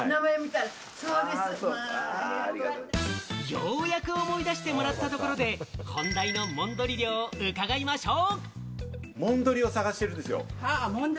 ようやく思い出してもらえたところで、本題のもんどり漁を伺いましょう。